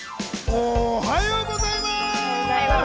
おはようございます。